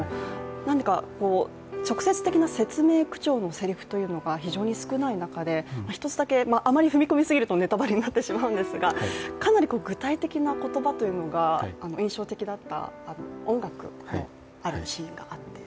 何か直接的な説明口調のせりふというのが非常に少ない中、あまり踏み込みすぎるとネタバレになってしまうんですがかなり具体的な言葉というのが印象的だった音楽のあるシーンがあって。